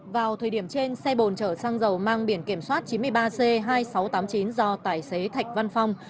vào thời điểm trên xe bồn chở xăng dầu mang biển kiểm soát chín mươi ba c hai nghìn sáu trăm tám mươi chín do tài xế thạch văn phong